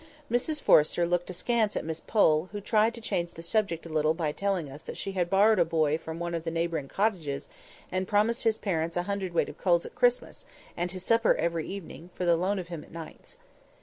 Mrs Forrester looked askance at Miss Pole, and tried to change the subject a little by telling us that she had borrowed a boy from one of the neighbouring cottages and promised his parents a hundredweight of coals at Christmas, and his supper every evening, for the loan of him at nights.